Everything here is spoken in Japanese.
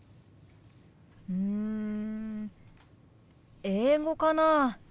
うん英語かな。